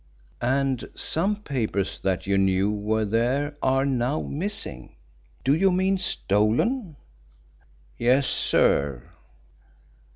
"And some papers that you knew were there are now missing. Do you mean stolen?" "Yes, sir."